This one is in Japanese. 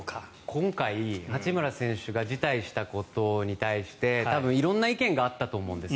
今回八村選手が辞退したことに対して色んな意見があったと思うんです。